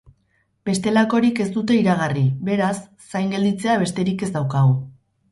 Bestelakorik ez dute iragarri, beraz, zain gelditzea besterik ez daukagu.